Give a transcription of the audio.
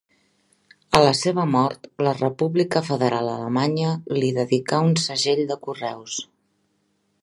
A la seva mort, la República Federal Alemanya li dedicà un segell de correus.